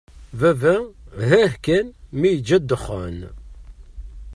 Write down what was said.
Baba hah kan mi yeǧǧa ddexxan.